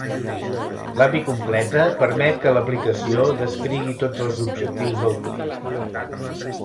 L'API completa permet que l'aplicació descrigui tots els objectius del clic.